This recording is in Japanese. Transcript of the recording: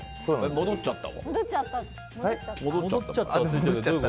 戻っちゃった！